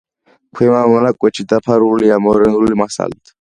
ქვემო მონაკვეთში დაფარულია მორენული მასალით.